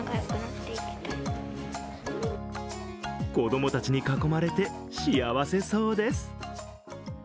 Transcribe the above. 子供たちに囲まれて幸せそうです。